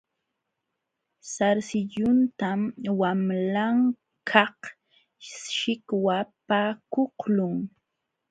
Sarsilluntam wamlakaq shikwapakuqlun.